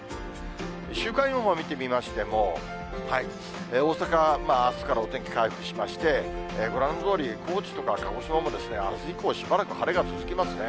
週間予報を見てみましても、大阪、あすからお天気回復しまして、ご覧のとおり、高知とか鹿児島もあす以降、しばらく晴れが続きますね。